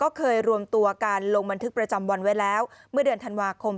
ก็เคยรวมตัวการลงบันทึกประจำวันไว้แล้วเมื่อเดือนธันวาคม